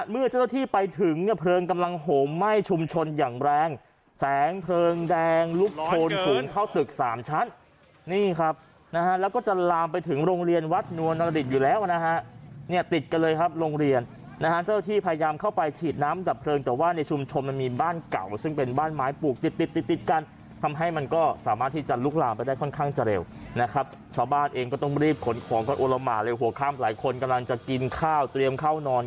เมื่อเจ้าตัวที่ไปถึงเนี่ยเพลิงกำลังโหมไหม้ชุมชนอย่างแรงแสงเพลิงแดงลุกชนสูงเข้าตึกสามชั้นนี่ครับนะฮะแล้วก็จะลามไปถึงโรงเรียนวัดนวรรณรดิตอยู่แล้วนะฮะเนี่ยติดกันเลยครับโรงเรียนนะฮะเจ้าตัวที่พยายามเข้าไปฉีดน้ำจากเพลิงแต่ว่าในชุมชนมันมีบ้านเก่าซึ่งเป็นบ้านไม้ปลูกติดติด